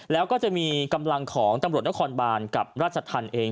แล้วก็จะมีกำลังของตำรวจนครบานกับราชธรรมเอง